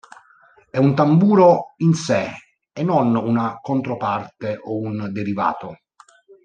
È un tamburo in sé e non una controparte o un derivato.